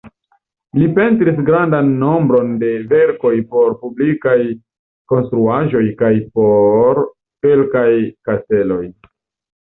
Li pentris grandan nombron de verkoj por publikaj konstruaĵoj kaj por kelkaj kasteloj.